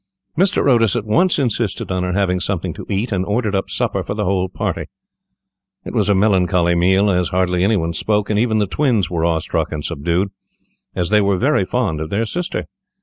Mr. Otis at once insisted on her having something to eat, and ordered up supper for the whole party. It was a melancholy meal, as hardly any one spoke, and even the twins were awestruck and subdued, as they were very fond of their sister.